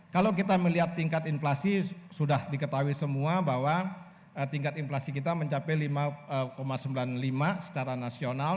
kalau kita melihat tingkat inflasi sudah diketahui semua bahwa tingkat inflasi kita mencapai lima sembilan puluh lima secara nasional